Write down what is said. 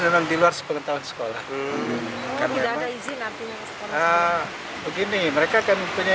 dan itu tidak ada masalah di sana